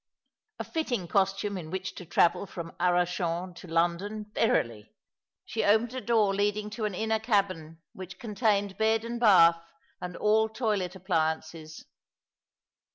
A fitting costume in which to travel from Arcachon to London, verily I She opened a door leading to an inner cabin, which contained bed and bath, and all toilet appliances.